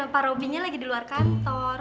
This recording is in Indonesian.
pak robinya lagi di luar kantor